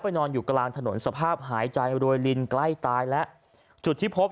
นอนอยู่กลางถนนสภาพหายใจรวยลินใกล้ตายแล้วจุดที่พบ